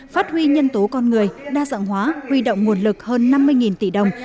phát huy nhân tố con người đa dạng hóa huy động nguồn lực hơn năm mươi tỷ đồng